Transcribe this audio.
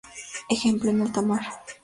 Ejemplo En alta mar.